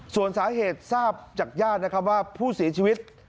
ส่วนสาเหตุทราบจากญาตินะครับว่าผู้เสียชีวิต